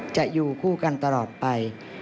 จะอยู่คู่กันตลอดไป